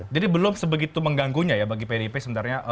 jadi belum sebegitu mengganggunya ya bagi pdip sebenarnya